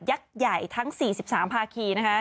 ยักษ์ใหญ่ทั้ง๔๓ภาคี